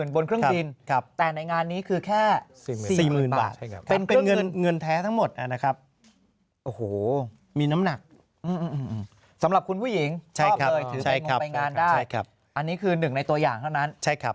๗๐๐๐๐บนเครื่องจีนแต่ในงานนี้แค่๔๐๐๐๐บาท